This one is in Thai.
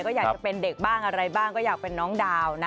ก็อยากจะเป็นเด็กบ้างอะไรบ้างก็อยากเป็นน้องดาวนะ